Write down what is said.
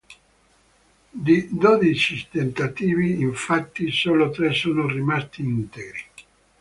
Di dodici tentativi, infatti, solo tre sono rimasti integri.